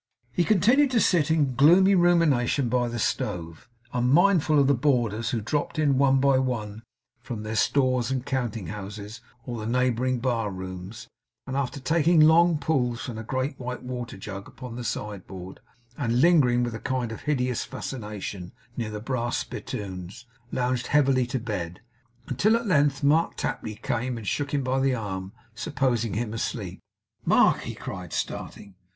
He continued to sit in gloomy rumination by the stove, unmindful of the boarders who dropped in one by one from their stores and counting houses, or the neighbouring bar rooms, and, after taking long pulls from a great white waterjug upon the sideboard, and lingering with a kind of hideous fascination near the brass spittoons, lounged heavily to bed; until at length Mark Tapley came and shook him by the arm, supposing him asleep. 'Mark!' he cried, starting.